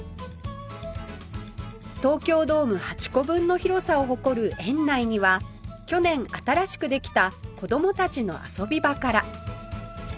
東京ドーム８個分の広さを誇る園内には去年新しくできた子どもたちの遊び場から